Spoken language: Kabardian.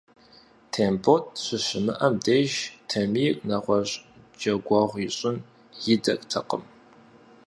Тембот щыщымыӀэм деж, Тамир нэгъуэщӀ джэгуэгъу ищӀын идэртэкъым.